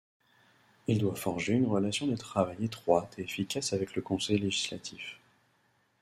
Il doit forger une relation de travail étroite et efficace avec le Conseil Législatif.